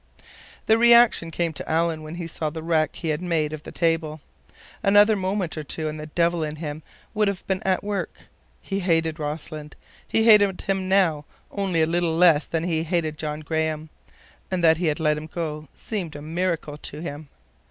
The reaction came to Alan when he saw the wreck he had made of the table. Another moment or two and the devil in him would have been at work. He hated Rossland. He hated him now only a little less than he hated John Graham, and that he had let him go seemed a miracle to him.